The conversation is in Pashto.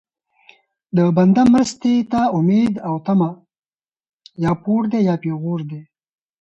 د بنده مرستې ته امید او طمع یا پور دی یا پېغور دی